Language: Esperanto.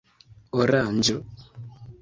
oranĝo